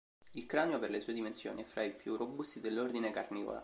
Il cranio, per le sue dimensioni, è fra i più robusti dell'ordine carnivora.